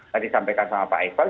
tadi sampaikan sama pak iffel